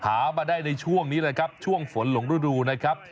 หามาได้ในช่วงนี้เลยครับช่วงฝนหลงฤดูนะครับ